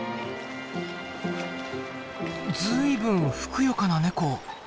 随分ふくよかなネコ。